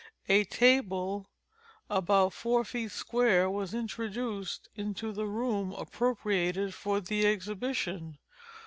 A table, about four feet square, was introduced, into the room appropriated for the exhibition.